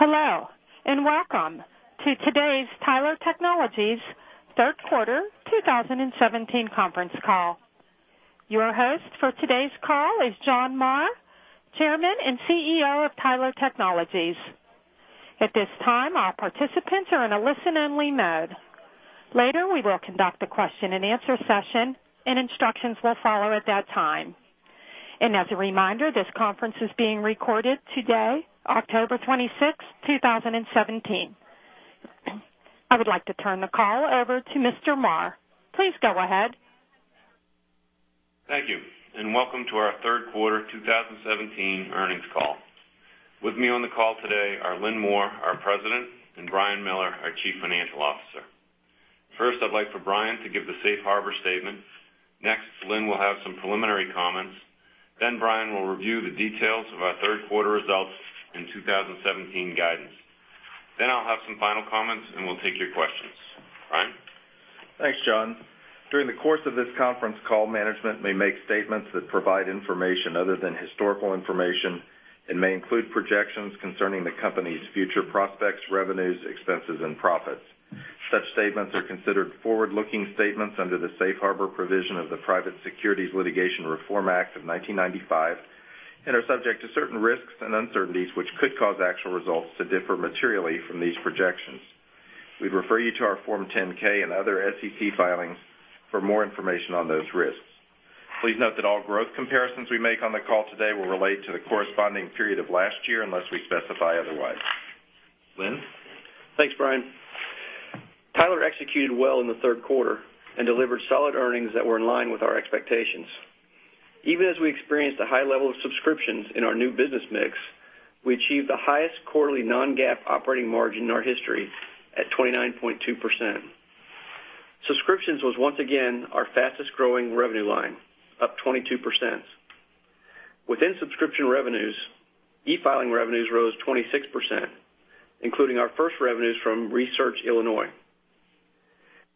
Welcome to today's Tyler Technologies third quarter 2017 conference call. Your host for today's call is John Marr, Chairman and CEO of Tyler Technologies. At this time, our participants are in a listen-only mode. Later, we will conduct a question and answer session, and instructions will follow at that time. As a reminder, this conference is being recorded today, October 26, 2017. I would like to turn the call over to Mr. Marr. Please go ahead. Thank you. Welcome to our third quarter 2017 earnings call. With me on the call today are Lynn Moore, our President, and Brian Miller, our Chief Financial Officer. First, I'd like for Brian to give the safe harbor statement. Next, Lynn will have some preliminary comments. Brian will review the details of our third quarter results and 2017 guidance. I'll have some final comments, and we'll take your questions. Brian? Thanks, John. During the course of this conference call, management may make statements that provide information other than historical information and may include projections concerning the company's future prospects, revenues, expenses, and profits. Such statements are considered forward-looking statements under the safe harbor provision of the Private Securities Litigation Reform Act of 1995 and are subject to certain risks and uncertainties which could cause actual results to differ materially from these projections. We'd refer you to our Form 10-K and other SEC filings for more information on those risks. Please note that all growth comparisons we make on the call today will relate to the corresponding period of last year unless we specify otherwise. Lynn? Thanks, Brian. Tyler executed well in the third quarter and delivered solid earnings that were in line with our expectations. Even as we experienced a high level of subscriptions in our new business mix, we achieved the highest quarterly non-GAAP operating margin in our history at 29.2%. Subscriptions was once again our fastest-growing revenue line, up 22%. Within subscription revenues, e-filing revenues rose 26%, including our first revenues from re:SearchIL.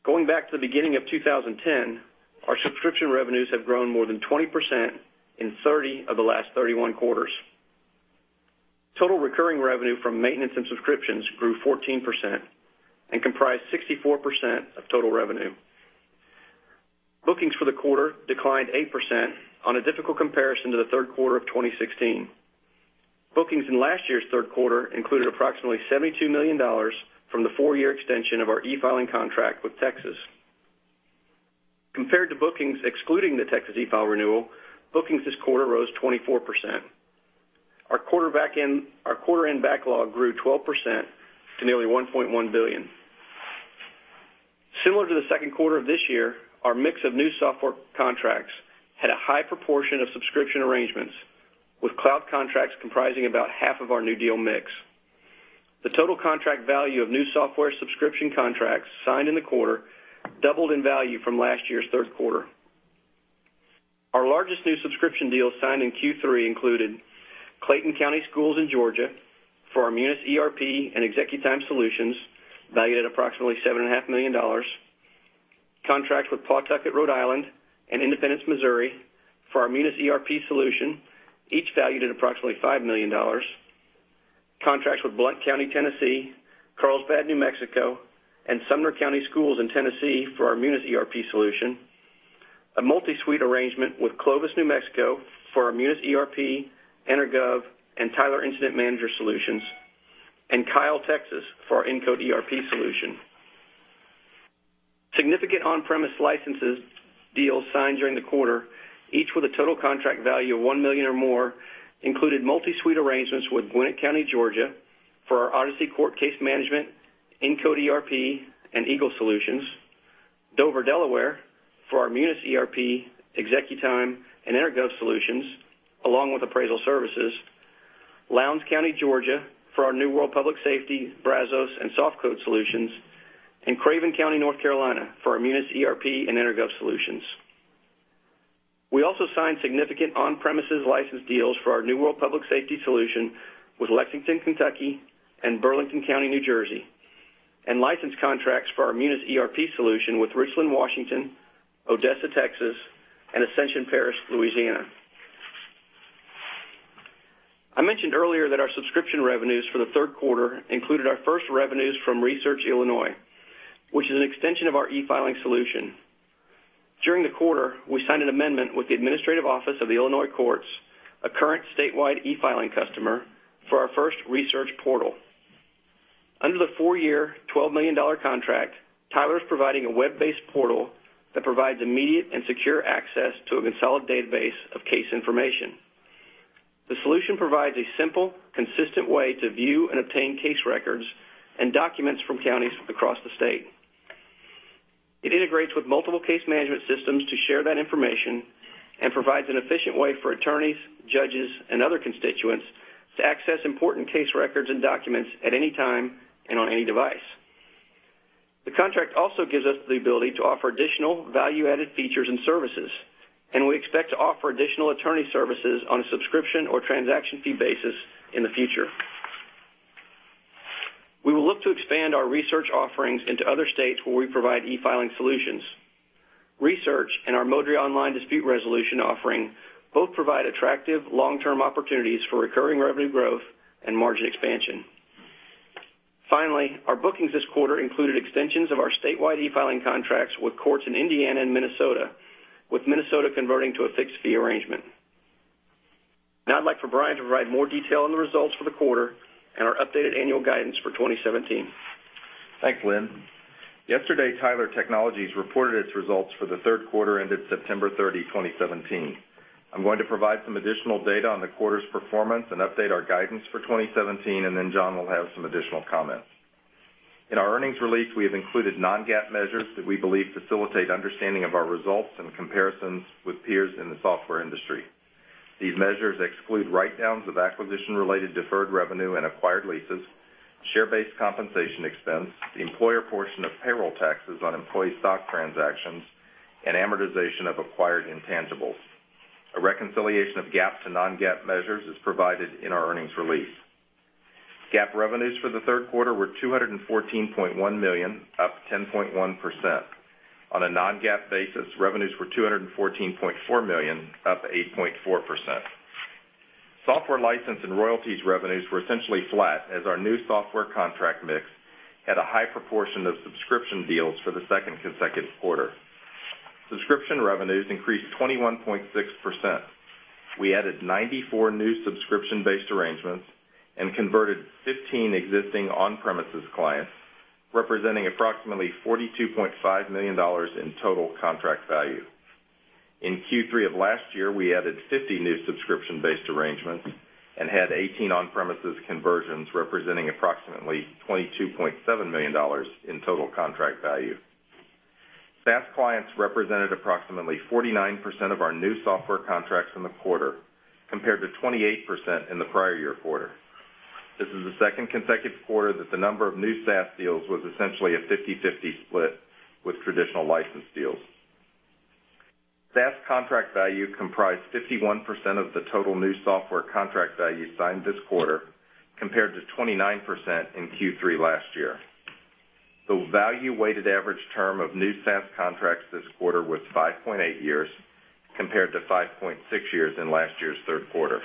Going back to the beginning of 2010, our subscription revenues have grown more than 20% in 30 of the last 31 quarters. Total recurring revenue from maintenance and subscriptions grew 14% and comprised 64% of total revenue. Bookings for the quarter declined 8% on a difficult comparison to the third quarter of 2016. Bookings in last year's third quarter included approximately $72 million from the four-year extension of our e-filing contract with Texas. Compared to bookings excluding the eFileTexas renewal, bookings this quarter rose 24%. Our quarter end backlog grew 12% to nearly $1.1 billion. Similar to the second quarter of this year, our mix of new software contracts had a high proportion of subscription arrangements, with cloud contracts comprising about half of our new deal mix. The total contract value of new software subscription contracts signed in the quarter doubled in value from last year's third quarter. Our largest new subscription deals signed in Q3 included Clayton County Public Schools in Georgia for our MunisERP and ExecuTime solutions, valued at approximately $7.5 million. Contracts with Pawtucket, Rhode Island, and Independence, Missouri, for our MunisERP solution, each valued at approximately $5 million. Contracts with Blount County, Tennessee, Carlsbad, New Mexico, and Sumner County Schools in Tennessee for our MunisERP solution. A multi-suite arrangement with Clovis, New Mexico, for our MunisERP, EnerGov, and Tyler Incident Management solutions. Kyle, Texas, for our IncodeERP solution. Significant on-premise license deals signed during the quarter, each with a total contract value of $1 million or more, included multi-suite arrangements with Gwinnett County, Georgia, for our Odyssey Court Case Management, IncodeERP, and Eagle solutions. Dover, Delaware, for our MunisERP, ExecuTime, and EnerGov solutions, along with appraisal services. Lowndes County, Georgia, for our New World Public Safety, Brazos, and SoftCode solutions. Craven County, North Carolina, for our MunisERP and EnerGov solutions. We also signed significant on-premises license deals for our New World Public Safety solution with Lexington, Kentucky, and Burlington County, New Jersey, and license contracts for our MunisERP solution with Richland, Washington, Odessa, Texas, and Ascension Parish, Louisiana. I mentioned earlier that our subscription revenues for the third quarter included our first revenues from re:SearchIL, which is an extension of our e-filing solution. During the quarter, we signed an amendment with the Administrative Office of the Illinois Courts, a current statewide e-filing customer, for our first re:Search portal. Under the four-year, $12 million contract, Tyler is providing a web-based portal that provides immediate and secure access to a consolidated base of case information. The solution provides a simple, consistent way to view and obtain case records and documents from counties across the state. It integrates with multiple case management systems to share that information and provides an efficient way for attorneys, judges, and other constituents to access important case records and documents at any time and on any device. The contract also gives us the ability to offer additional value-added features and services. We expect to offer additional attorney services on a subscription or transaction fee basis in the future. We will look to expand our re:Search offerings into other states where we provide e-filing solutions. re:Search and our Modria online dispute resolution offering both provide attractive long-term opportunities for recurring revenue growth and margin expansion. Finally, our bookings this quarter included extensions of our statewide e-filing contracts with courts in Indiana and Minnesota, with Minnesota converting to a fixed-fee arrangement. Now I'd like for Brian to provide more detail on the results for the quarter and our updated annual guidance for 2017. Thanks, Lynn. Yesterday, Tyler Technologies reported its results for the third quarter ended September 30, 2017. I'm going to provide some additional data on the quarter's performance and update our guidance for 2017. John will have some additional comments. In our earnings release, we have included non-GAAP measures that we believe facilitate understanding of our results and comparisons with peers in the software industry. These measures exclude write-downs of acquisition-related deferred revenue and acquired leases, share-based compensation expense, the employer portion of payroll taxes on employee stock transactions, and amortization of acquired intangibles. A reconciliation of GAAP to non-GAAP measures is provided in our earnings release. GAAP revenues for the third quarter were $214.1 million, up 10.1%. On a non-GAAP basis, revenues were $214.4 million, up 8.4%. Software license and royalties revenues were essentially flat as our new software contract mix had a high proportion of subscription deals for the second consecutive quarter. Subscription revenues increased 21.6%. We added 94 new subscription-based arrangements and converted 15 existing on-premises clients, representing approximately $42.5 million in total contract value. In Q3 of last year, we added 50 new subscription-based arrangements and had 18 on-premises conversions, representing approximately $22.7 million in total contract value. SaaS clients represented approximately 49% of our new software contracts in the quarter, compared to 28% in the prior year quarter. This is the second consecutive quarter that the number of new SaaS deals was essentially a 50/50 split with traditional license deals. SaaS contract value comprised 51% of the total new software contract value signed this quarter, compared to 29% in Q3 last year. The value-weighted average term of new SaaS contracts this quarter was 5.8 years, compared to 5.6 years in last year's third quarter.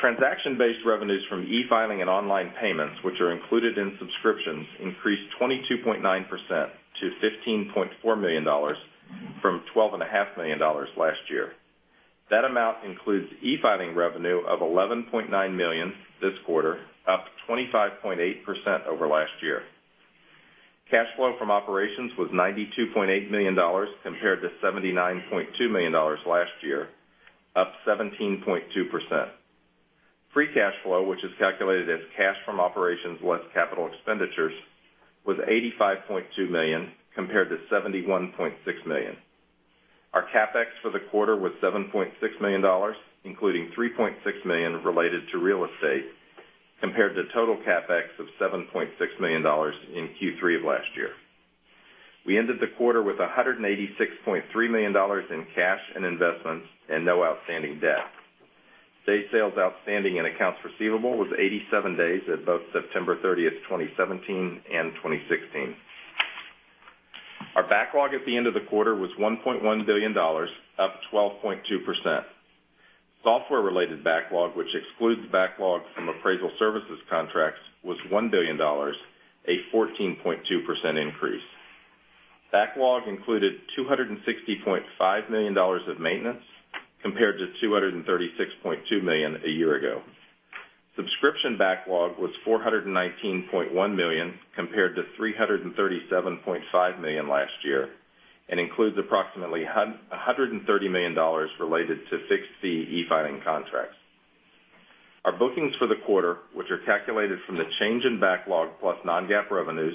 Transaction-based revenues from e-filing and online payments, which are included in subscriptions, increased 22.9% to $15.4 million from $12.5 million last year. That amount includes e-filing revenue of $11.9 million this quarter, up 25.8% over last year. Cash flow from operations was $92.8 million compared to $79.2 million last year, up 17.2%. Free cash flow, which is calculated as cash from operations less capital expenditures, was $85.2 million, compared to $71.6 million. Our CapEx for the quarter was $7.6 million, including $3.6 million related to real estate, compared to total CapEx of $7.6 million in Q3 of last year. We ended the quarter with $186.3 million in cash and investments and no outstanding debt. Day sales outstanding and accounts receivable was 87 days at both September 30th, 2017, and 2016. Our backlog at the end of the quarter was $1.1 billion, up 12.2%. Software-related backlog, which excludes backlog from appraisal services contracts, was $1 billion, a 14.2% increase. Backlog included $260.5 million of maintenance, compared to $236.2 million a year ago. Subscription backlog was $419.1 million, compared to $337.5 million last year, and includes approximately $130 million related to fixed-fee e-filing contracts. Our bookings for the quarter, which are calculated from the change in backlog plus non-GAAP revenues,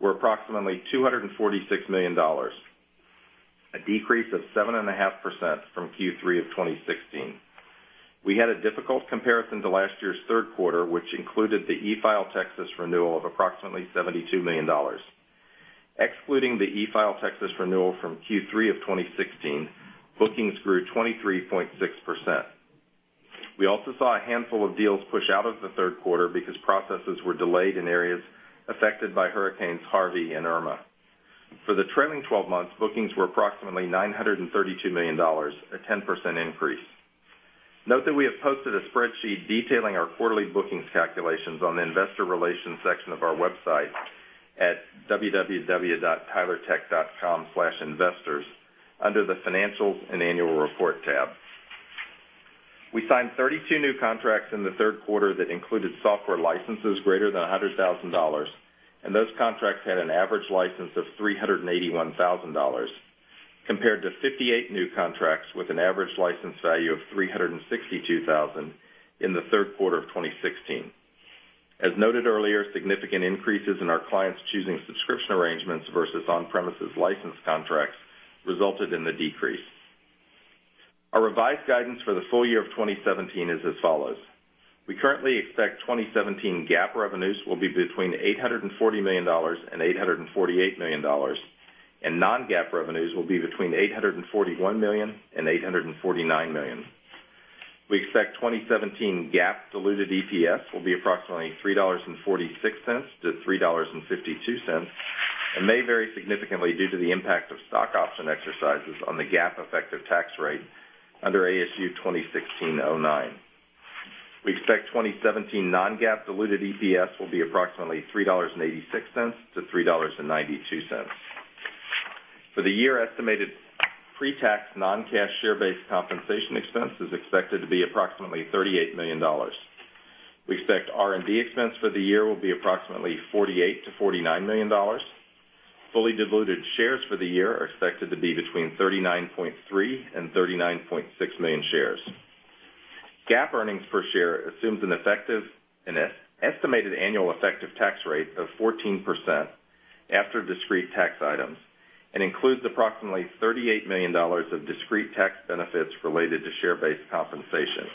were approximately $246 million, a decrease of 7.5% from Q3 of 2016. We had a difficult comparison to last year's third quarter, which included the eFile Texas renewal of approximately $72 million. Excluding the eFile Texas renewal from Q3 of 2016, bookings grew 23.6%. We also saw a handful of deals push out of the third quarter because processes were delayed in areas affected by Hurricanes Harvey and Irma. For the trailing 12 months, bookings were approximately $932 million, a 10% increase. Note that we have posted a spreadsheet detailing our quarterly bookings calculations on the investor relations section of our website at www.tylertech.com/investors under the Financial and Annual Report tab. We signed 32 new contracts in the third quarter that included software licenses greater than $100,000, and those contracts had an average license of $381,000, compared to 58 new contracts with an average license value of $362,000 in the third quarter of 2016. As noted earlier, significant increases in our clients choosing subscription arrangements versus on-premises license contracts resulted in the decrease. Our revised guidance for the full year of 2017 is as follows. We currently expect 2017 GAAP revenues will be between $840 million and $848 million, and non-GAAP revenues will be between $841 million and $849 million. We expect 2017 GAAP diluted EPS will be approximately $3.46-$3.52, and may vary significantly due to the impact of stock option exercises on the GAAP effective tax rate under ASU 2016-09. We expect 2017 non-GAAP diluted EPS will be approximately $3.86-$3.92. For the year, estimated pre-tax non-cash share-based compensation expense is expected to be approximately $38 million. We expect R&D expense for the year will be approximately $48 million-$49 million. Fully diluted shares for the year are expected to be between 39.3 million-39.6 million shares. GAAP earnings per share assumes an estimated annual effective tax rate of 14% after discrete tax items and includes approximately $38 million of discrete tax benefits related to share-based compensation.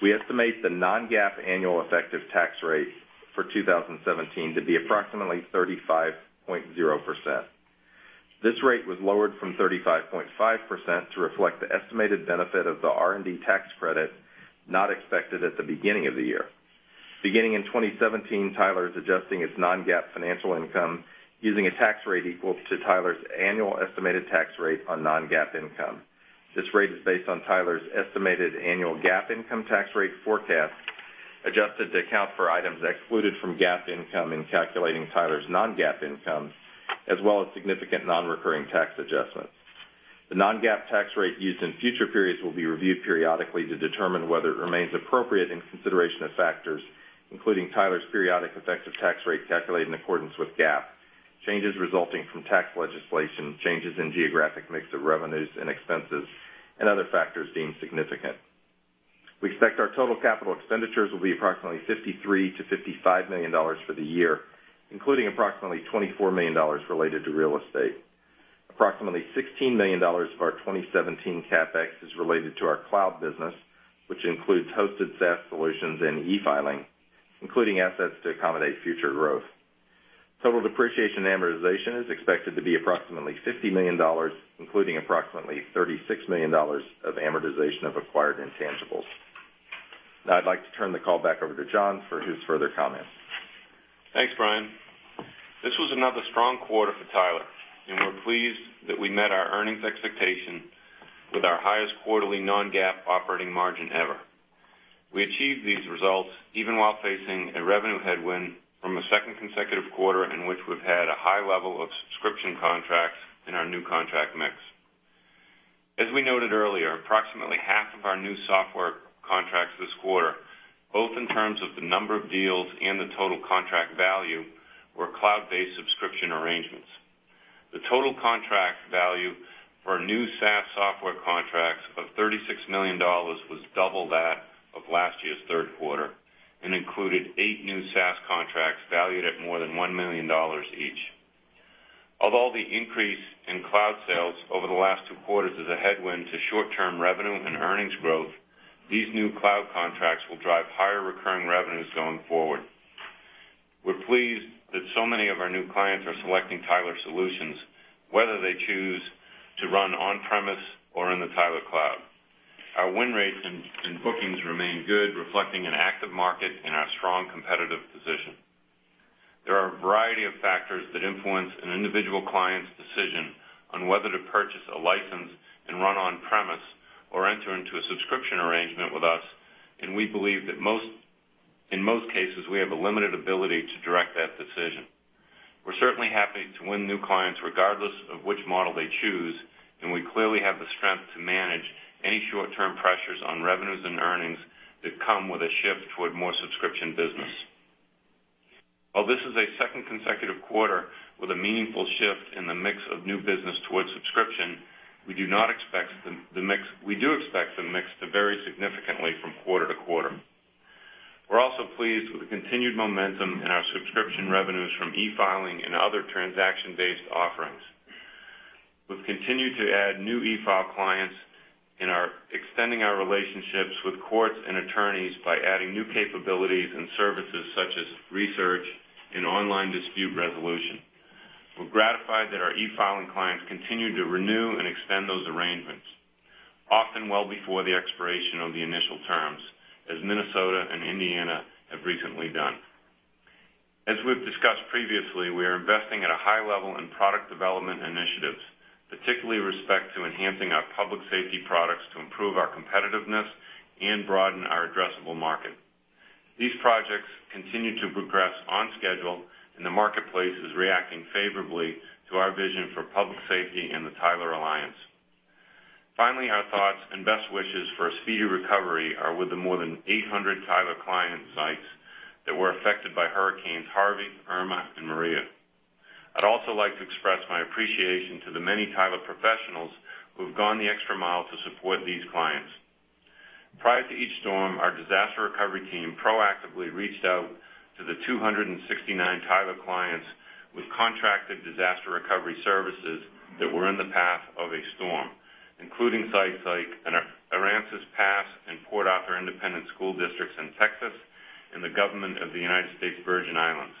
We estimate the non-GAAP annual effective tax rate for 2017 to be approximately 35.0%. This rate was lowered from 35.5% to reflect the estimated benefit of the R&D tax credit not expected at the beginning of the year. Beginning in 2017, Tyler is adjusting its non-GAAP financial income using a tax rate equal to Tyler's annual estimated tax rate on non-GAAP income. This rate is based on Tyler's estimated annual GAAP income tax rate forecast, adjusted to account for items excluded from GAAP income in calculating Tyler's non-GAAP income, as well as significant non-recurring tax adjustments. The non-GAAP tax rate used in future periods will be reviewed periodically to determine whether it remains appropriate in consideration of factors, including Tyler's periodic effective tax rate calculated in accordance with GAAP, changes resulting from tax legislation, changes in geographic mix of revenues and expenses, and other factors deemed significant. We expect our total capital expenditures will be approximately $53 million-$55 million for the year, including approximately $24 million related to real estate. Approximately $16 million of our 2017 CapEx is related to our cloud business, which includes hosted SaaS solutions and e-filing, including assets to accommodate future growth. Total depreciation amortization is expected to be approximately $50 million, including approximately $36 million of amortization of acquired intangibles. Now I'd like to turn the call back over to John for his further comments. Thanks, Brian. This was another strong quarter for Tyler, and we're pleased that we met our earnings expectation with our highest quarterly non-GAAP operating margin ever. We achieved these results even while facing a revenue headwind from a second consecutive quarter in which we've had a high level of subscription contracts in our new contract mix. As we noted earlier, approximately half of our new software contracts this quarter, both in terms of the number of deals and the total contract value, were cloud-based subscription arrangements. The total contract value for new SaaS software contracts of $36 million was double that of last year's third quarter and included eight new SaaS contracts valued at more than $1 million each. Of all the increase in cloud sales over the last two quarters as a headwind to short-term revenue and earnings growth, these new cloud contracts will drive higher recurring revenues going forward. We're pleased that so many of our new clients are selecting Tyler solutions, whether they choose to run on-premise or in the Tyler Cloud. Our win rates and bookings remain good, reflecting an active market and our strong competitive position. We believe that in most cases, we have a limited ability to direct that decision. We're certainly happy to win new clients regardless of which model they choose. We clearly have the strength to manage any short-term pressures on revenues and earnings that come with a shift toward more subscription business. While this is a second consecutive quarter with a meaningful shift in the mix of new business towards subscription, we do expect the mix to vary significantly from quarter to quarter. We're also pleased with the continued momentum in our subscription revenues from e-filing and other transaction-based offerings. We've continued to add new e-file clients and are extending our relationships with courts and attorneys by adding new capabilities and services such as research and online dispute resolution. We're gratified that our e-filing clients continue to renew and extend those arrangements, often well before the expiration of the initial terms, as Minnesota and Indiana have recently done. As we've discussed previously, we are investing at a high level in product development initiatives, particularly respect to enhancing our public safety products to improve our competitiveness and broaden our addressable market. These projects continue to progress on schedule, and the marketplace is reacting favorably to our vision for public safety and the Tyler Alliance. Finally, our thoughts and best wishes for a speedy recovery are with the more than 800 Tyler client sites that were affected by hurricanes Harvey, Irma, and Maria. I'd also like to express my appreciation to the many Tyler professionals who have gone the extra mile to support these clients. Prior to each storm, our disaster recovery team proactively reached out to the 269 Tyler clients with contracted disaster recovery services that were in the path of a storm, including sites like Aransas Pass and Port Arthur Independent School Districts in Texas and the government of the United States Virgin Islands.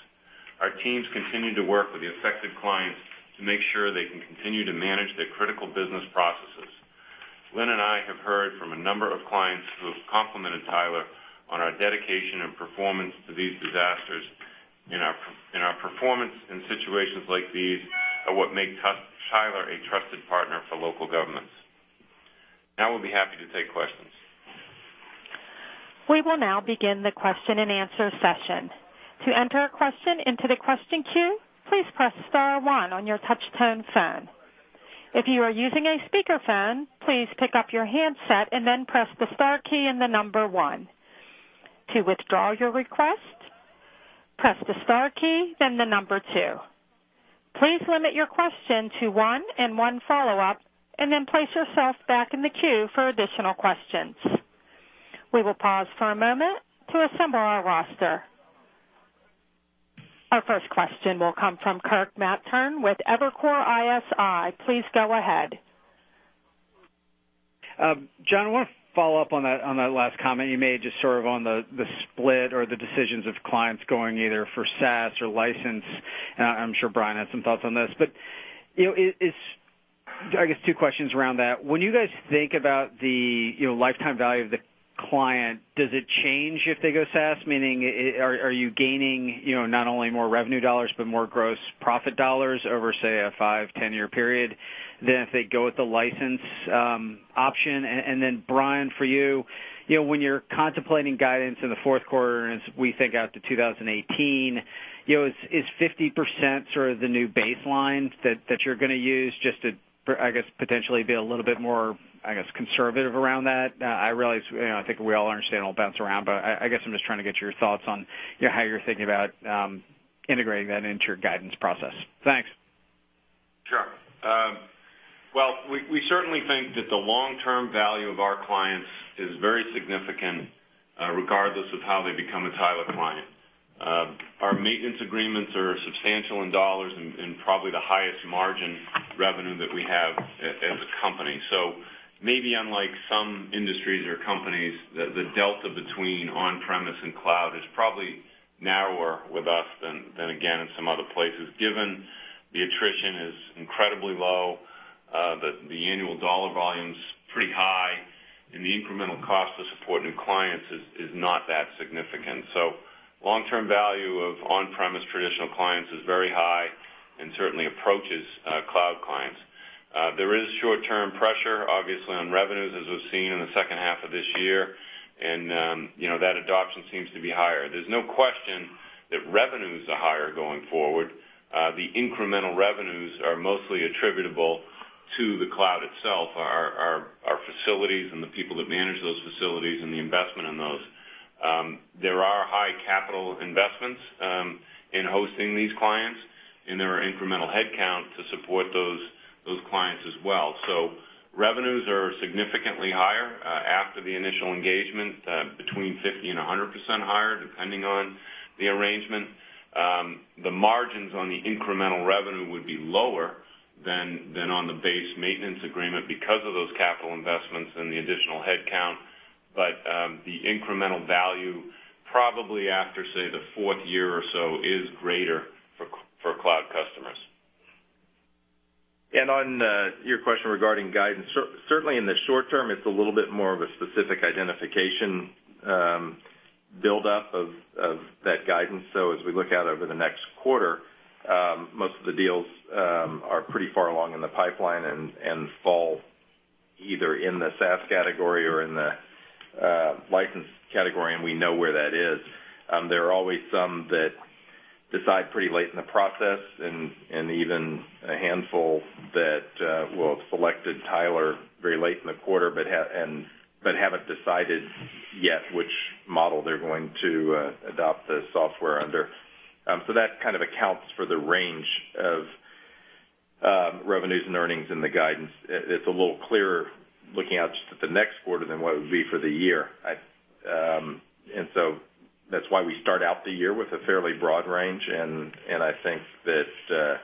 Our teams continue to work with the affected clients to make sure they can continue to manage their critical business processes. Lynn and I have heard from a number of clients who have complimented Tyler on our dedication and performance to these disasters, and our performance in situations like these are what make Tyler a trusted partner for local governments. We'll be happy to take questions. We will now begin the question and answer session. To enter a question into the question queue, please press star one on your touch-tone phone. If you are using a speakerphone, please pick up your handset and then press the star key and the number one. To withdraw your request, press the star key, then the number two. Please limit your question to one and one follow-up, and then place yourself back in the queue for additional questions. We will pause for a moment to assemble our roster. Our first question will come from Kirk Materne with Evercore ISI. Please go ahead. John, I want to follow up on that last comment you made just sort of on the split or the decisions of clients going either for SaaS or licensed. I'm sure Brian has some thoughts on this, but it's, I guess, two questions around that. When you guys think about the lifetime value of the client, does it change if they go SaaS? Meaning, are you gaining not only more revenue dollars, but more gross profit dollars over, say, a five, 10-year period than if they go with the license option? Brian, for you, when you're contemplating guidance in the fourth quarter, and as we think out to 2018, is 50% sort of the new baseline that you're going to use just to, I guess, potentially be a little bit more conservative around that? I realize, I think we all understand it'll bounce around, I guess I'm just trying to get your thoughts on how you're thinking about integrating that into your guidance process. Thanks. Sure. Well, we certainly think that the long-term value of our clients is very significant, regardless of how they become a Tyler client. Our maintenance agreements are substantial in USD and probably the highest margin revenue that we have as a company. Maybe unlike some industries or companies, the delta between on-premise and cloud is probably narrower with us than, again, in some other places. Given the attrition is incredibly low, the annual dollar volume's pretty high, and the incremental cost of supporting clients is not that significant. Long-term value of on-premise traditional clients is very high and certainly approaches cloud clients. There is short-term pressure, obviously, on revenues, as we've seen in the second half of this year, and that adoption seems to be higher. There's no question that revenues are higher going forward. The incremental revenues are mostly attributable to the cloud itself, our facilities and the people that manage those facilities, and the investment in those. There are high capital investments in hosting these clients, and there are incremental headcount to support those clients as well. Revenues are significantly higher after the initial engagement, between 50%-100% higher, depending on the arrangement. The margins on the incremental revenue would be lower than on the base maintenance agreement because of those capital investments and the additional headcount. The incremental value probably after, say, the fourth year or so, is greater for cloud customers. On your question regarding guidance, certainly in the short term, it's a little bit more of a specific identification buildup of that guidance. As we look out over the next quarter, most of the deals are pretty far along in the pipeline and fall either in the SaaS category or in the licensed category, and we know where that is. There are always some that decide pretty late in the process, and even a handful that will have selected Tyler very late in the quarter, but haven't decided yet which model they're going to adopt the software under. That kind of accounts for the range of revenues and earnings in the guidance. It's a little clearer looking out just at the next quarter than what it would be for the year. That's why we start out the year with a fairly broad range, and I think that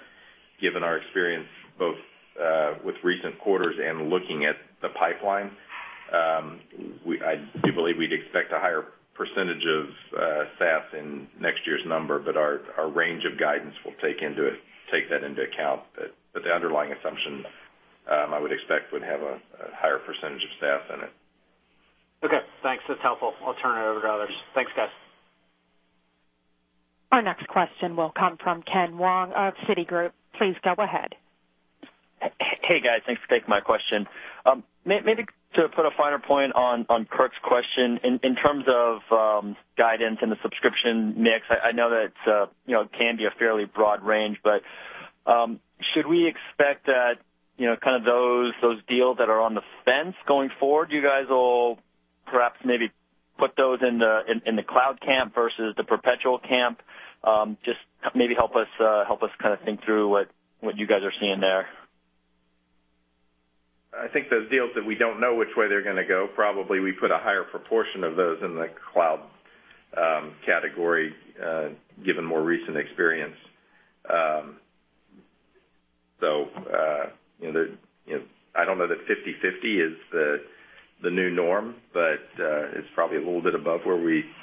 given our experience, both with recent quarters and looking at the pipeline, I do believe we'd expect a higher percentage of SaaS in next year's number. Our range of guidance will take that into account. The underlying assumption, I would expect, would have a higher percentage of SaaS in it. Okay, thanks. That's helpful. I'll turn it over to others. Thanks, guys. Our next question will come from Ken Wong of Citigroup. Please go ahead. Hey, guys. Thanks for taking my question. Maybe to put a finer point on Kirk's question, in terms of guidance in the subscription mix, I know that it can be a fairly broad range, but should we expect that those deals that are on the fence going forward, you guys will perhaps maybe put those in the cloud camp versus the perpetual camp? Maybe help us think through what you guys are seeing there. I think those deals that we don't know which way they're going to go, probably we put a higher proportion of those in the cloud category, given more recent experience. I don't know that 50/50 is the new norm, but it's probably a little bit above where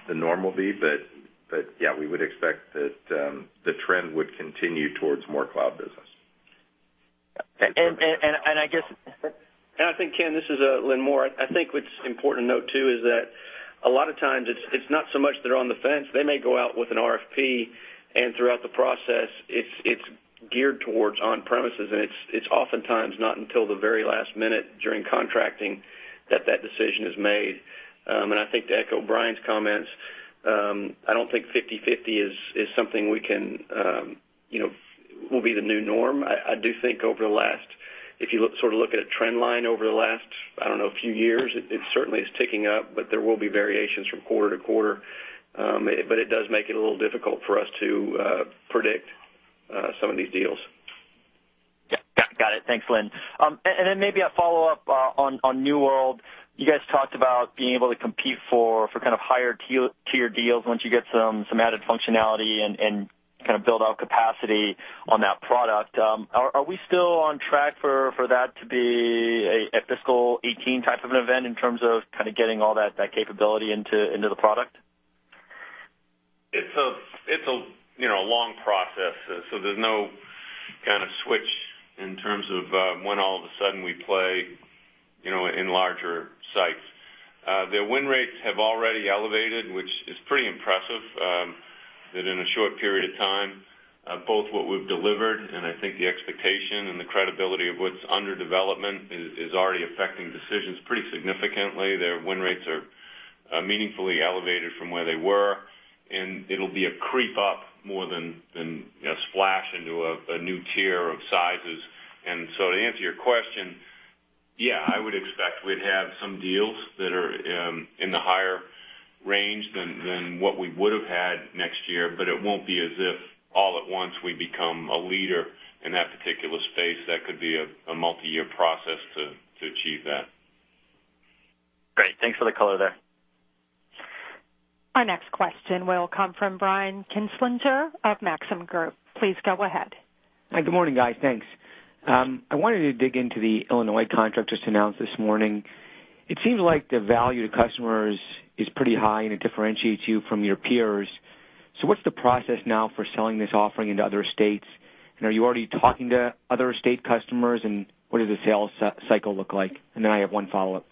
the norm will be. Yeah, we would expect that the trend would continue towards more cloud business. And I guess- I think, Ken, this is Lynn Moore. I think what's important to note, too, is that a lot of times it's not so much they're on the fence. They may go out with an RFP, and throughout the process, it's geared towards on-premises, and it's oftentimes not until the very last minute during contracting that decision is made. I think to echo Brian's comments, I don't think 50/50 is something that will be the new norm. I do think if you look at a trend line over the last, I don't know, few years, it certainly is ticking up, but there will be variations from quarter to quarter. It does make it a little difficult for us to predict some of these deals. Yeah. Got it. Thanks, Lynn. Then maybe a follow-up on New World. You guys talked about being able to compete for higher tier deals once you get some added functionality and build out capacity on that product. Are we still on track for that to be a fiscal 2018 type of an event in terms of getting all that capability into the product? It's a long process. There's no switch in terms of when all of a sudden we play in larger sites. Their win rates have already elevated, which is pretty impressive, that in a short period of time, both what we've delivered and I think the expectation and the credibility of what's under development is already affecting decisions pretty significantly. Their win rates are meaningfully elevated from where they were, and it'll be a creep up more than a splash into a new tier of sizes. To answer your question, yeah, I would expect we'd have some deals that are in the higher range than what we would have had next year, but it won't be as if all at once we become a leader in that particular space. That could be a multi-year process to achieve that. Great. Thanks for the color there. Our next question will come from Brian Kinstlinger of Maxim Group. Please go ahead. Hi, good morning, guys. Thanks. I wanted to dig into the Illinois contract just announced this morning. It seems like the value to customers is pretty high, and it differentiates you from your peers. What's the process now for selling this offering into other states? Are you already talking to other state customers, what does the sales cycle look like? I have one follow-up.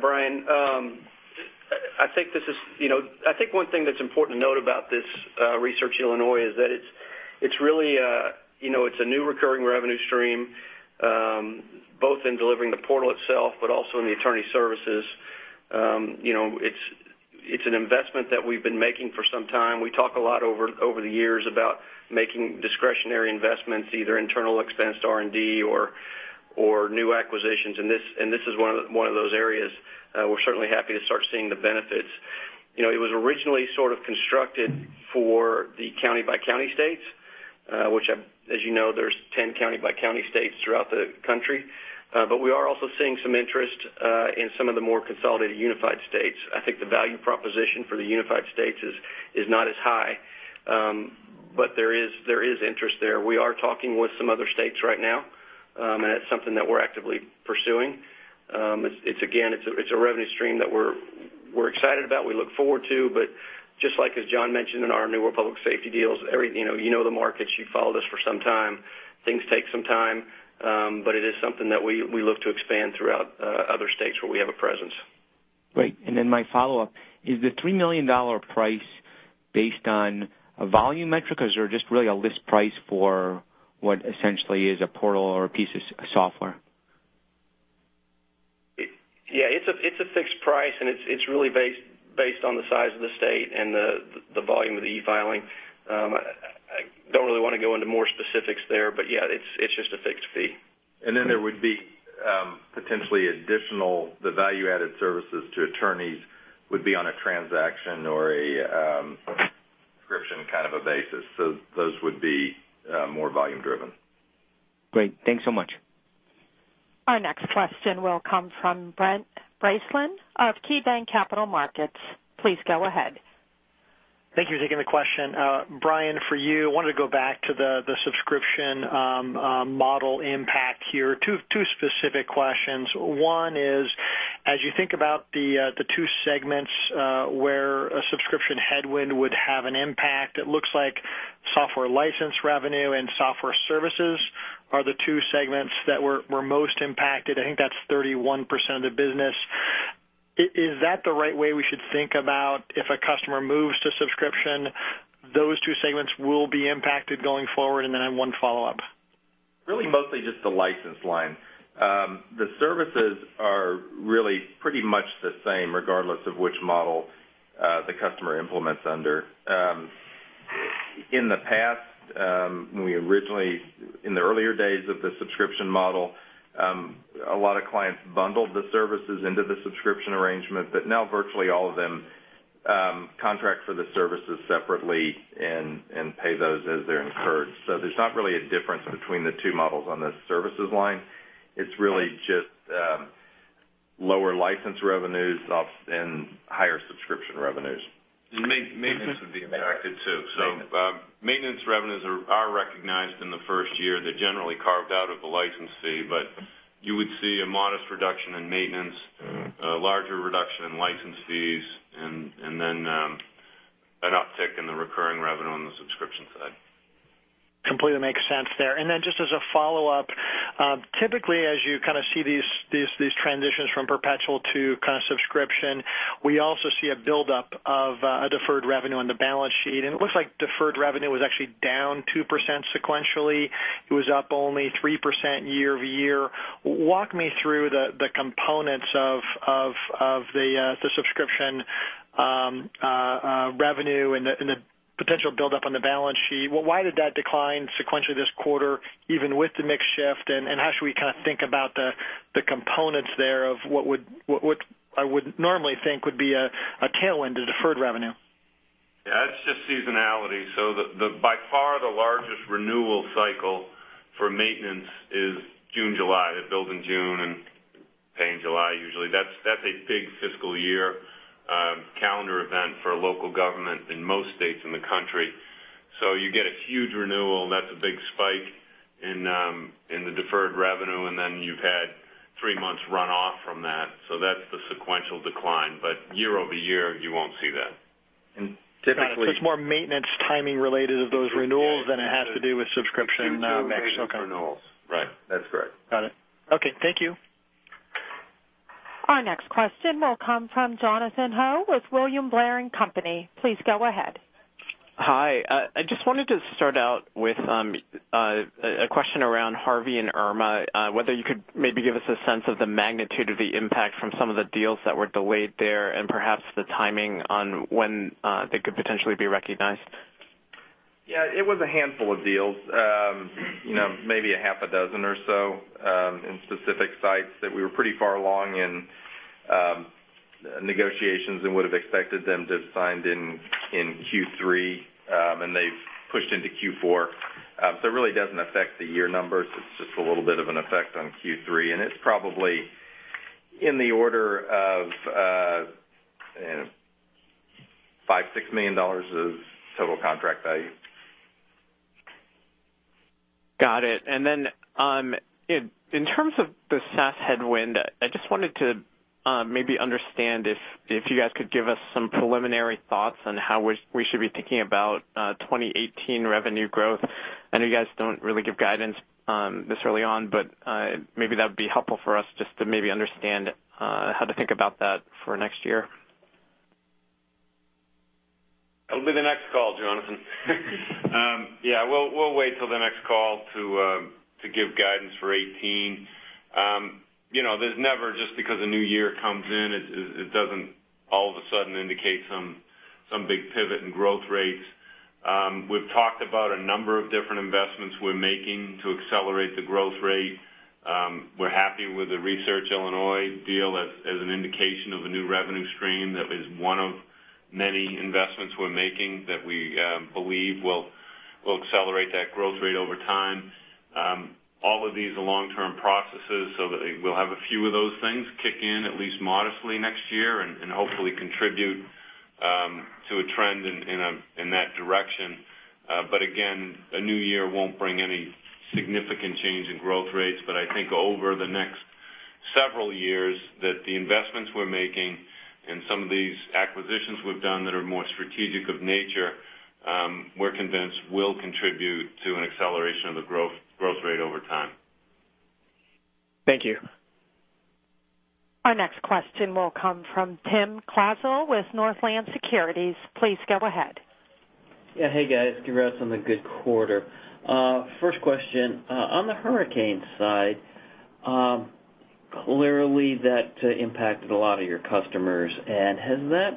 Brian. I think one thing that's important to note about this re:SearchIL is that it's a new recurring revenue stream, both in delivering the portal itself, but also in the attorney services. It's an investment that we've been making for some time. We talk a lot over the years about making discretionary investments, either internal expense to R&D or new acquisitions, and this is one of those areas. We're certainly happy to start seeing the benefits. It was originally sort of constructed for the county-by-county states, which, as you know, there's 10 county-by-county states throughout the country. We are also seeing some interest in some of the more consolidated unified states. I think the value proposition for the unified states is not as high, but there is interest there. We are talking with some other states right now, and that's something that we're actively pursuing. It's a revenue stream that we're excited about, we look forward to, but just like as John mentioned in our newer public safety deals, you know the markets, you've followed us for some time. Things take some time, but it is something that we look to expand throughout other states where we have a presence. Great. My follow-up, is the $3 million price based on a volume metric, or is there just really a list price for what essentially is a portal or a piece of software? It's a fixed price, and it's really based on the size of the state and the volume of the e-filing. I don't really want to go into more specifics there, but it's just a fixed fee. There would be potentially additional, the value-added services to attorneys would be on a transaction or a subscription kind of a basis. Those would be more volume driven. Great. Thanks so much. Our next question will come from Brent Bracelin of KeyBanc Capital Markets. Please go ahead. Thank you. Thank you for the question. Brian, for you, I wanted to go back to the subscription model impact here. Two specific questions. One is, as you think about the two segments where a subscription headwind would have an impact, it looks like software license revenue and software services are the two segments that were most impacted. I think that's 31% of business. Is that the right way we should think about if a customer moves to subscription, those two segments will be impacted going forward? I have one follow-up. Mostly just the license line. The services are pretty much the same regardless of which model the customer implements under. In the past, in the earlier days of the subscription model, a lot of clients bundled the services into the subscription arrangement, but now virtually all of them contract for the services separately and pay those as they're incurred. There's not a difference between the two models on the services line. It's just lower license revenues off and higher subscription revenues. Maintenance would be impacted too. Maintenance revenues are recognized in the first year. They're generally carved out of the license fee, but you would see a modest reduction in maintenance, a larger reduction in license fees, and then an uptick in the recurring revenue on the subscription side. Completely makes sense there. Then just as a follow-up, typically, as you kind of see these transitions from perpetual to subscription, we also see a buildup of a deferred revenue on the balance sheet. It looks like deferred revenue was actually down 2% sequentially. It was up only 3% year-over-year. Walk me through the components of the subscription revenue and the potential buildup on the balance sheet. Why did that decline sequentially this quarter, even with the mix shift, and how should we think about the components there of what I would normally think would be a tailwind to deferred revenue? Yeah, it's just seasonality. By far, the largest renewal cycle for maintenance is June, July. It bills in June and pay in July usually. That's a big fiscal year calendar event for local government in most states in the country. You get a huge renewal, and that's a big spike in the deferred revenue, and then you've had 3 months run off from that. That's the sequential decline. Year-over-year, you won't see that. Typically- It's more maintenance timing related of those renewals- Yes than it has to do with subscription mix. Okay. Q2 maintenance renewals. Right. That's correct. Got it. Okay. Thank you. Our next question will come from Jonathan Ho with William Blair & Company. Please go ahead. Hi. I just wanted to start out with a question around Harvey and Irma, whether you could maybe give us a sense of the magnitude of the impact from some of the deals that were delayed there, and perhaps the timing on when they could potentially be recognized. Yeah, it was a handful of deals. Maybe a half a dozen or so in specific sites that we were pretty far along in negotiations and would've expected them to have signed in Q3, and they've pushed into Q4. It really doesn't affect the year numbers. It's just a little bit of an effect on Q3, and it's probably in the order of $5, $6 million of total contract value. Got it. In terms of the SaaS headwind, I just wanted to maybe understand if you guys could give us some preliminary thoughts on how we should be thinking about 2018 revenue growth. I know you guys don't really give guidance this early on, but maybe that would be helpful for us just to maybe understand how to think about that for next year. That'll be the next call, Jonathan. Yeah. We'll wait till the next call to give guidance for 2018. Just because a new year comes in, it doesn't all of a sudden indicate some big pivot in growth rates. We've talked about a number of different investments we're making to accelerate the growth rate. We're happy with the re:SearchIL deal as an indication of a new revenue stream. That is one of many investments we're making that we believe will accelerate that growth rate over time. All of these are long-term processes. We'll have a few of those things kick in at least modestly next year and hopefully contribute to a trend in that direction. Again, a new year won't bring any significant change in growth rates. I think over the next several years, that the investments we're making and some of these acquisitions we've done that are more strategic of nature, we're convinced will contribute to an acceleration of the growth rate over time. Thank you. Our next question will come from Timothy Klasell with Northland Securities. Please go ahead. Yeah. Hey, guys. Congrats on the good quarter. First question, on the hurricane side, clearly that impacted a lot of your customers, and has that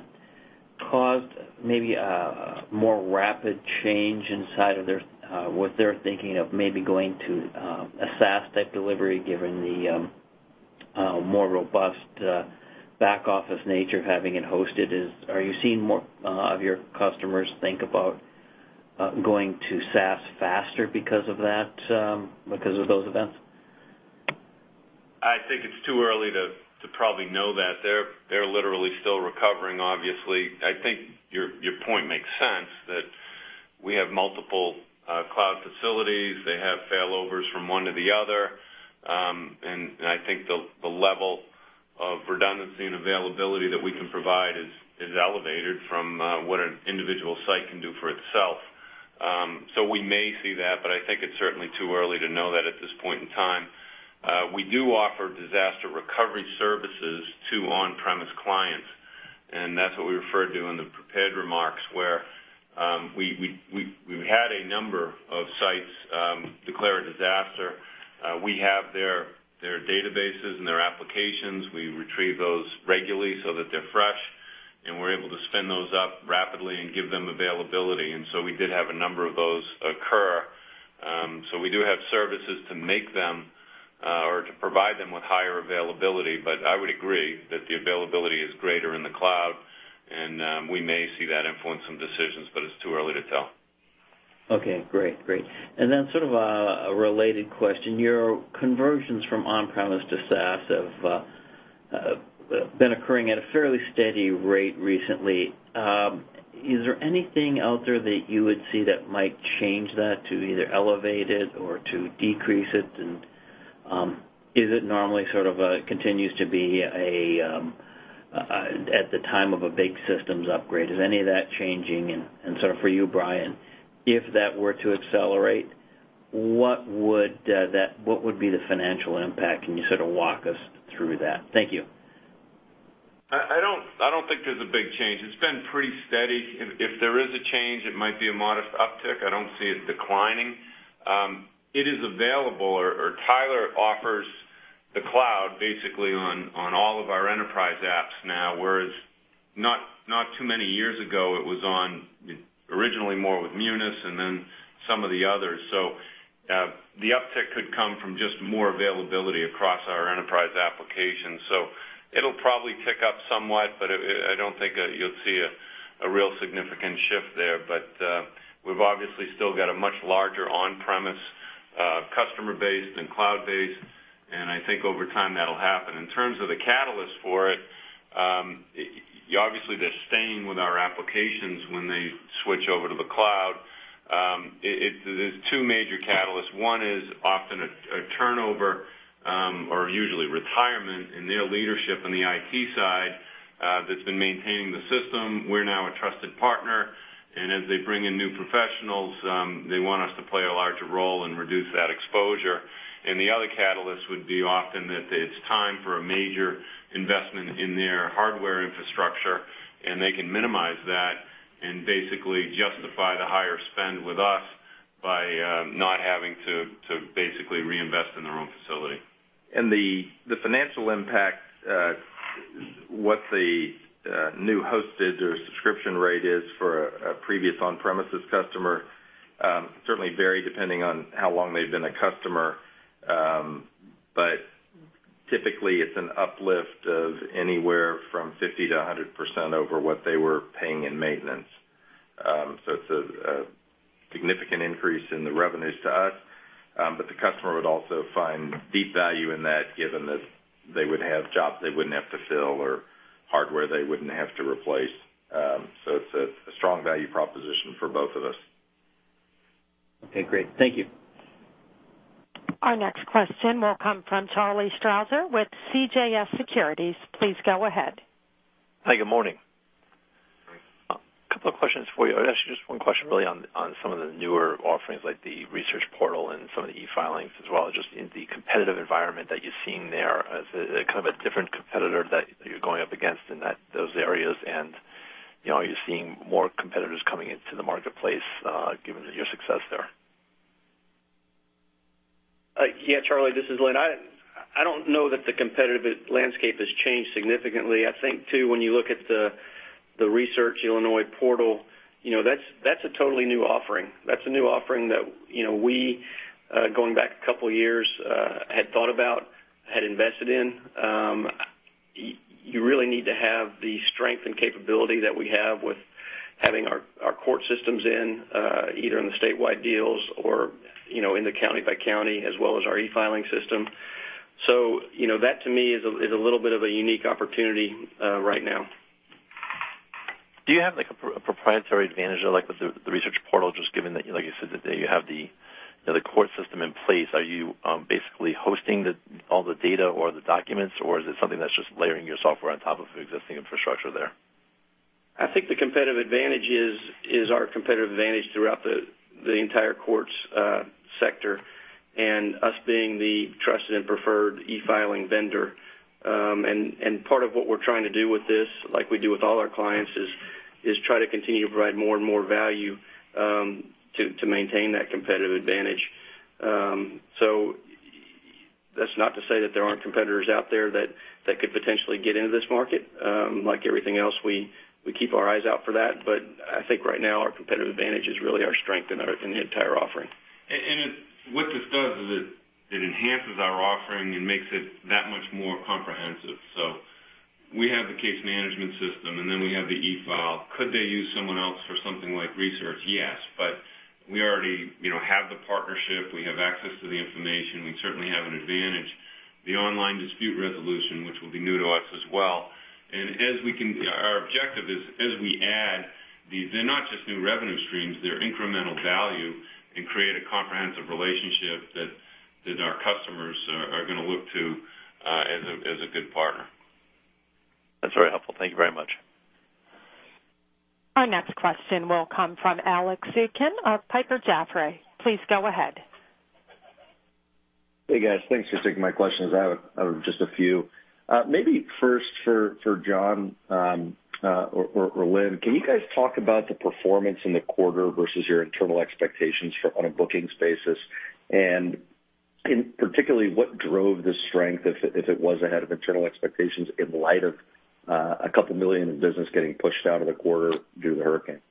caused maybe a more rapid change inside of what they're thinking of maybe going to a SaaS-type delivery given the more robust back office nature of having it hosted is. Are you seeing more of your customers think about going to SaaS faster because of those events? I think it's too early to probably know that. They're literally still recovering, obviously. I think your point makes sense, that we have multiple cloud facilities. They have failovers from one to the other. I think the level of redundancy and availability that we can provide is elevated from what an individual site can do for itself. We may see that. I think it's certainly too early to know that at this point in time. We do offer disaster recovery services to on-premise clients. That's what we referred to in the prepared remarks, where we had a number of sites declare a disaster. We have their databases and their applications. We retrieve those regularly so that they're fresh. We're able to spin those up rapidly and give them availability. We did have a number of those occur. We do have services to make them, or to provide them with higher availability. I would agree that the availability is greater in the cloud, and we may see that influence some decisions, but it's too early to tell. Okay, great. Sort of a related question, your conversions from on-premise to SaaS have been occurring at a fairly steady rate recently. Is there anything out there that you would see that might change that to either elevate it or to decrease it? Is it normally continues to be at the time of a big systems upgrade? Is any of that changing? For you, Brian, if that were to accelerate, what would be the financial impact? Can you sort of walk us through that? Thank you. I don't think there's a big change. It's been pretty steady. If there is a change, it might be a modest uptick. I don't see it declining. It is available, or Tyler offers the cloud basically on all of our enterprise apps now, whereas not too many years ago, it was on originally more with Munis and then some of the others. The uptick could come from just more availability across our enterprise application. It'll probably tick up somewhat, but I don't think you'll see a real significant shift there. We've obviously still got a much larger on-premise, customer base than cloud-based, and I think over time, that'll happen. In terms of the catalyst for it, obviously, they're staying with our applications when they switch over to the cloud. There's two major catalysts. One is often a turnover, or usually retirement in their leadership in the IT side, that's been maintaining the system. We're now a trusted partner, and as they bring in new professionals, they want us to play a larger role and reduce that exposure. The other catalyst would be often that it's time for a major investment in their hardware infrastructure, and they can minimize that and basically justify the higher spend with us by not having to basically reinvest in their own facility. The financial impact, what the new hosted or subscription rate is for a previous on-premises customer, certainly vary depending on how long they've been a customer. Typically, it's an uplift of anywhere from 50%-100% over what they were paying in maintenance. It's a significant increase in the revenues to us. The customer would also find deep value in that, given that they would have jobs they wouldn't have to fill or hardware they wouldn't have to replace. It's a strong value proposition for both of us. Okay, great. Thank you. Our next question will come from Charlie Strauser with CJS Securities. Please go ahead. Hi, good morning. Hi. A couple of questions for you. I'll ask you just one question really on some of the newer offerings, like the re:SearchIL portal and some of the e-filings as well, just in the competitive environment that you're seeing there, as a kind of a different competitor that you're going up against in those areas. Are you seeing more competitors coming into the marketplace, given your success there? Yes, Charlie, this is Lynn. I don't know that the competitive landscape has changed significantly. I think too, when you look at the re:SearchIL portal, that's a totally new offering. That's a new offering that we, going back a couple of years, had thought about, had invested in. You really need to have the strength and capability that we have with having our court systems in, either in the statewide deals or in the county by county, as well as our e-filing system. That to me is a little bit of a unique opportunity right now. Do you have a proprietary advantage there, like with the re:SearchIL portal, just given that, like you said, that you have the court system in place. Are you basically hosting all the data or the documents, or is it something that's just layering your software on top of the existing infrastructure there? I think the competitive advantage is our competitive advantage throughout the entire courts sector, and us being the trusted and preferred e-filing vendor. Part of what we're trying to do with this, like we do with all our clients, is try to continue to provide more and more value to maintain that competitive advantage. That's not to say that there aren't competitors out there that could potentially get into this market. Like everything else, we keep our eyes out for that. I think right now, our competitive advantage is really our strength in the entire offering. What this does is it enhances our offering and makes it that much more comprehensive. We have the case management system, then we have the e-file. Could they use someone else for something like research? Yes, we already have the partnership. We have access to the information. We certainly have an advantage. The online dispute resolution, which will be new to us as well. Our objective is, as we add these, they're not just new revenue streams, they're incremental value and create a comprehensive relationship that our customers are going to look to as a good partner. That's very helpful. Thank you very much. Our next question will come from Alex Zukin of Piper Jaffray. Please go ahead. Hey, guys. Thanks for taking my questions. I have just a few. Maybe first for John or Lynn, can you guys talk about the performance in the quarter versus your internal expectations on a bookings basis? Particularly, what drove the strength, if it was ahead of internal expectations, in light of a couple million of business getting pushed out of the quarter due to the hurricane?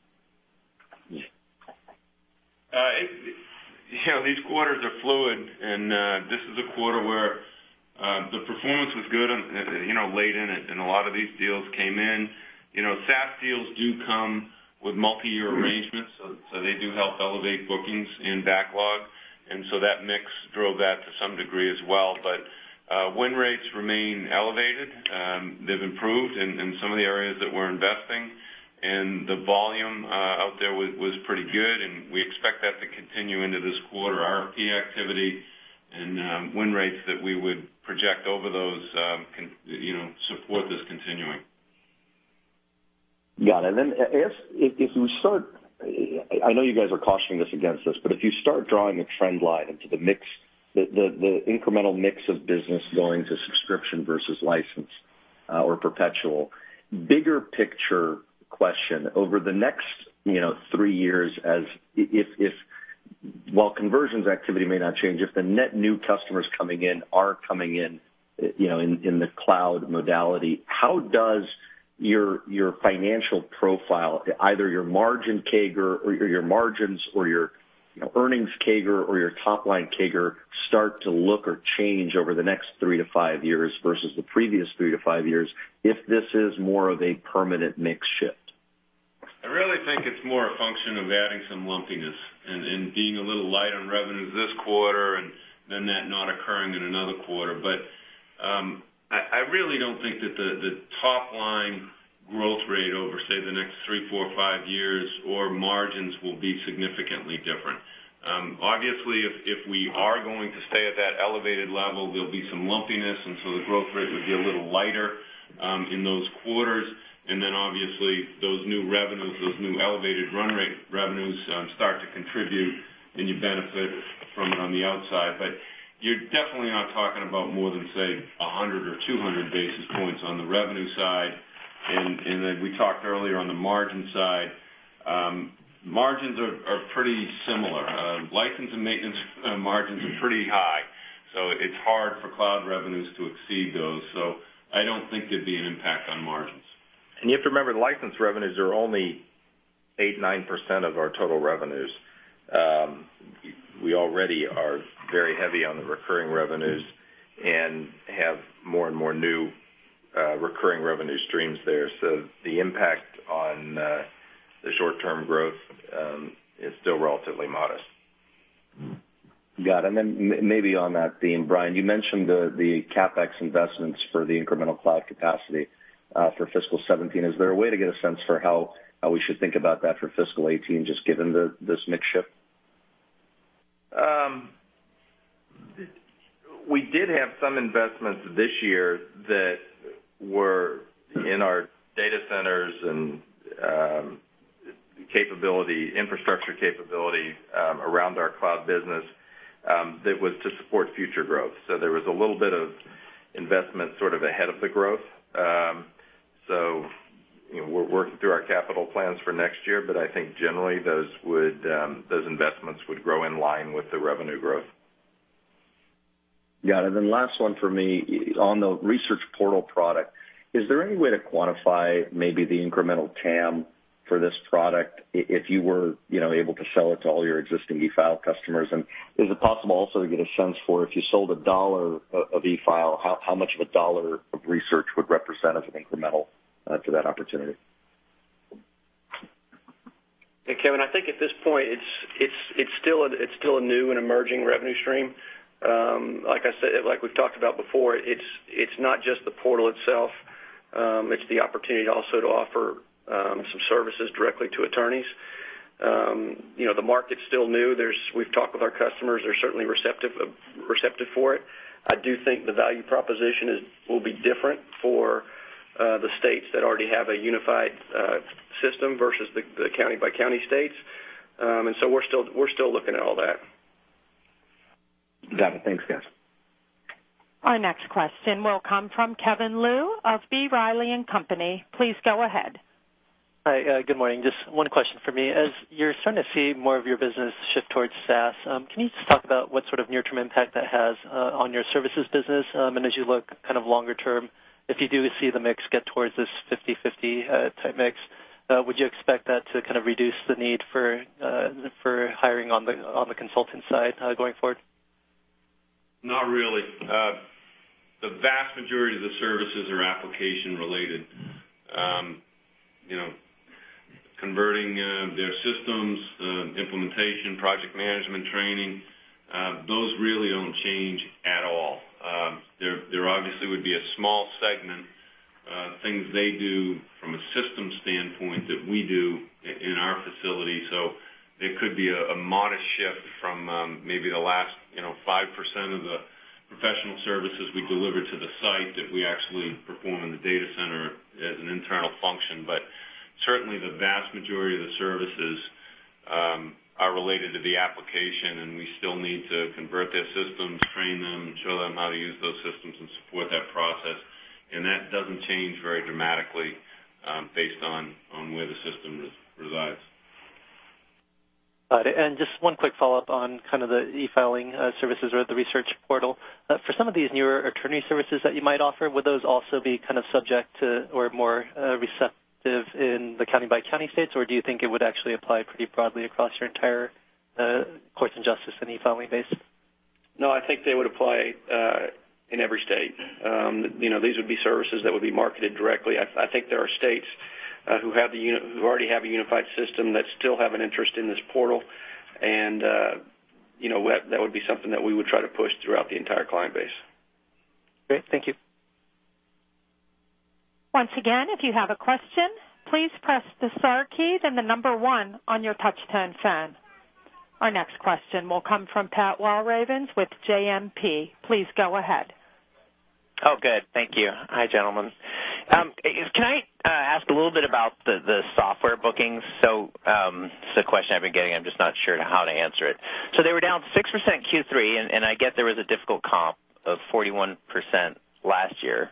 These quarters are fluid, this is a quarter where the performance was good late in it, and a lot of these deals came in. SaaS deals do come with multi-year arrangements, so they do help elevate bookings and backlog. That mix drove that to some degree as well. Win rates remain elevated. They've improved in some of the areas that we're investing, and the volume out there was pretty good, and we expect that to continue into this quarter. Our RFP activity and win rates that we would project over those support this continuing. Got it. If you start, I know you guys are cautioning us against this, if you start drawing a trend line into the incremental mix of business going to subscription versus license or perpetual, bigger picture question, over the next three years, while conversions activity may not change, if the net new customers coming in are coming in the cloud modality, how does your financial profile, either your margin CAGR or your earnings CAGR or your top-line CAGR start to look or change over the next three to five years versus the previous three to five years if this is more of a permanent mix shift? I really think it's more a function of adding some lumpiness and being a little light on revenues this quarter and that not occurring in another quarter. I really don't think that the top-line growth rate over, say, the next three, four, five years or margins will be significantly different. Obviously, if we are going to stay at that elevated level, there'll be some lumpiness, the growth rate would be a little lighter in those quarters. Obviously those new revenues, those new elevated run rate revenues start to contribute, and you benefit from it on the outside. You're definitely not talking about more than, say, 100 or 200 basis points on the revenue side. We talked earlier on the margin side. Margins are pretty similar. License and maintenance margins are pretty high, so it's hard for cloud revenues to exceed those. I don't think there'd be an impact on margins. You have to remember, license revenues are only 8%, 9% of our total revenues. We already are very heavy on the recurring revenues and have more and more new recurring revenue streams there. The impact on the short-term growth is still relatively modest. Got it. Then maybe on that theme, Brian, you mentioned the CapEx investments for the incremental cloud capacity for fiscal 2017. Is there a way to get a sense for how we should think about that for fiscal 2018, just given this mix shift? We did have some investments this year that were in our data centers and infrastructure capability around our cloud business that was to support future growth. There was a little bit of investment sort of ahead of the growth. We're working through our capital plans for next year, but I think generally those investments would grow in line with the revenue growth. Got it. Then last one for me. On the re:SearchIL product, is there any way to quantify maybe the incremental TAM for this product if you were able to sell it to all your existing eFile customers? Is it possible also to get a sense for if you sold $1 of eFile, how much of $1 of re:SearchIL would represent as an incremental to that opportunity? Hey, Kevin, I think at this point, it's still a new and emerging revenue stream. Like we've talked about before, it's not just the portal itself. It's the opportunity also to offer some services directly to attorneys. The market's still new. We've talked with our customers. They're certainly receptive for it. I do think the value proposition will be different for the states that already have a unified system versus the county-by-county states. We're still looking at all that. Got it. Thanks, guys. Our next question will come from Kevin Liu of B. Riley Securities. Please go ahead. Hi. Good morning. Just one question for me. As you're starting to see more of your business shift towards SaaS, can you just talk about what sort of near-term impact that has on your services business? As you look longer term, if you do see the mix get towards this 50/50 type mix, would you expect that to reduce the need for hiring on the consultant side going forward? Not really. The vast majority of the services are application related. Converting their systems, implementation, project management, training, those really don't change at all. There obviously would be a small segment of things they do from a systems standpoint that we do in our facility. There could be a modest shift from maybe the last 5% of the professional services we deliver to the site that we actually perform in the data center as an internal function. Certainly, the vast majority of the services are related to the application, and we still need to convert their systems, train them, show them how to use those systems, and support that process. That doesn't change very dramatically based on where the system resides. Got it. Just one quick follow-up on the e-filing services or the research portal. For some of these newer attorney services that you might offer, would those also be subject to or more receptive in the county-by-county states, or do you think it would actually apply pretty broadly across your entire courts and justice and e-filing base? No, I think they would apply in every state. These would be services that would be marketed directly. I think there are states who already have a unified system that still have an interest in this portal. That would be something that we would try to push throughout the entire client base. Great. Thank you. Once again, if you have a question, please press the star key, then the number one on your touch-tone phone. Our next question will come from Pat Walravens with JMP. Please go ahead. Oh, good. Thank you. Hi, gentlemen. Can I ask a little bit about the software bookings? This is a question I've been getting, I'm just not sure how to answer it. They were down 6% Q3, and I get there was a difficult comp of 41% last year.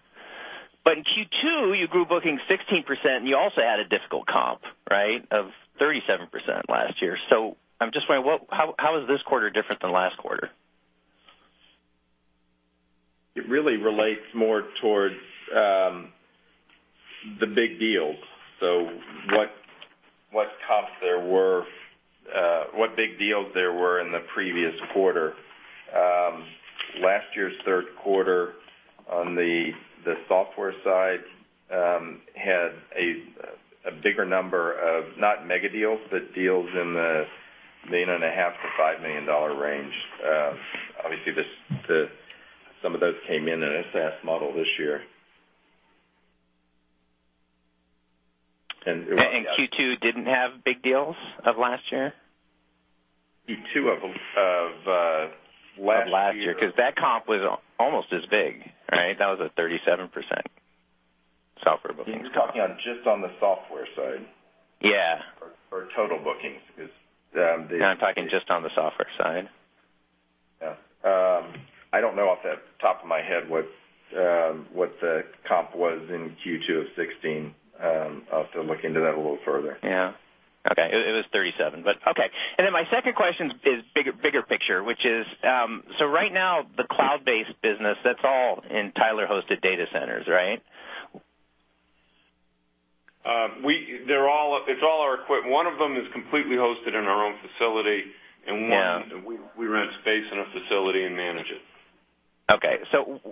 In Q2, you grew bookings 16%, and you also had a difficult comp, right, of 37% last year. I'm just wondering, how is this quarter different than last quarter? It really relates more towards the big deals. What big deals there were in the previous quarter. Last year's third quarter, on the software side, had a bigger number of, not mega deals, but deals in the $1.5 million-$5 million range. Obviously, some of those came in in a SaaS model this year. Q2 didn't have big deals of last year? Q2 of last year- Of last year, because that comp was almost as big, right? That was a 37% software booking. You're talking on just the software side? Yeah. Total bookings? No, I'm talking just on the software side. Yeah. I don't know off the top of my head what the comp was in Q2 2016. I'll have to look into that a little further. Yeah. Okay. It was 37, but okay. Then my second question is bigger picture, which is, so right now, the cloud-based business, that's all in Tyler-hosted data centers, right? One of them is completely hosted in our own facility. Yeah We rent space in a facility and manage it.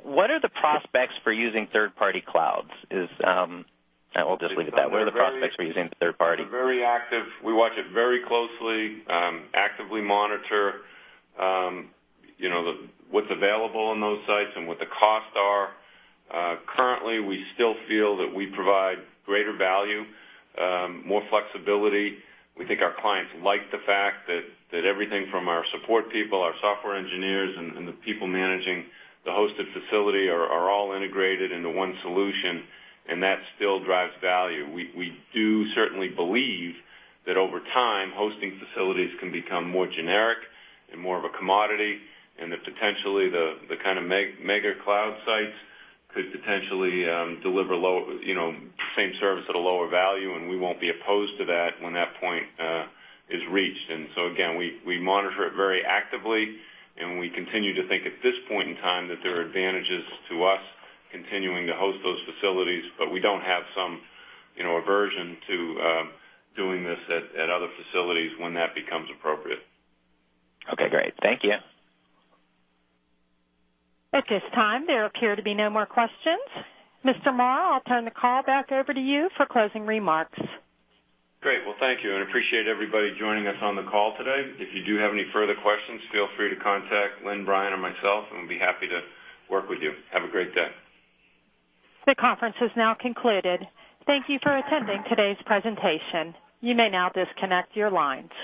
What are the prospects for using third-party clouds? I'll just leave it at that. What are the prospects for using third party? We're very active. We watch it very closely, actively monitor what's available on those sites and what the costs are. Currently, we still feel that we provide greater value, more flexibility. We think our clients like the fact that everything from our support people, our software engineers, and the people managing the hosted facility are all integrated into one solution, and that still drives value. We do certainly believe that over time, hosting facilities can become more generic and more of a commodity, and that potentially the kind of mega cloud sites could potentially deliver same service at a lower value, and we won't be opposed to that when that point is reached. Again, we monitor it very actively, and we continue to think at this point in time that there are advantages to us continuing to host those facilities, but we don't have some aversion to doing this at other facilities when that becomes appropriate. Okay, great. Thank you. At this time, there appear to be no more questions. Mr. Marr, I'll turn the call back over to you for closing remarks. Great. Well, thank you, and appreciate everybody joining us on the call today. If you do have any further questions, feel free to contact Lynn, Brian, or myself, and we'll be happy to work with you. Have a great day. The conference is now concluded. Thank you for attending today's presentation. You may now disconnect your lines.